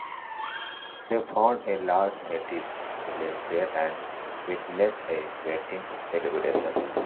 They found a large native village there and witnessed a wedding celebration.